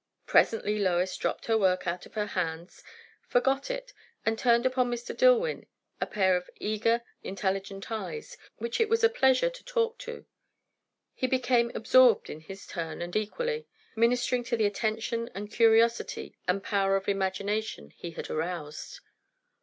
Presently Lois dropped her work out of her hands, forgot it, and turned upon Mr. Dillwyn a pair of eager, intelligent eyes, which it was a pleasure to talk to. He became absorbed in his turn, and equally; ministering to the attention and curiosity and power of imagination he had aroused.